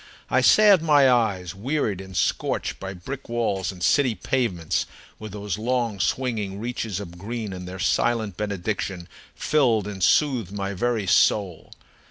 I salved my eyes, wearied and scorched by brick walls and city pavements, with those long, swinging reaches of green, and their silent benediction filled and soothed my very soul.